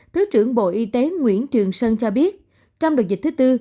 thứ trưởng bộ y tế nguyễn trường sơn cho biết trong đợt dịch thứ tư